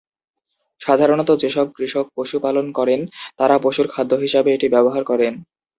সাধারণত যেসব কৃষক পশু পালন করেন তারা পশুর খাদ্য হিসেবে এটি ব্যবহার করেন।